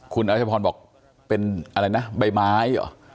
คุณรัชพรบอกเป็นอะไรนะใบไม้เหรอ